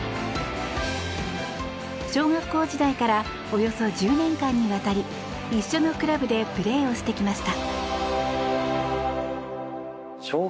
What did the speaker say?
小学校時代からおよそ１０年間にわたり一緒のクラブでプレーをしてきました。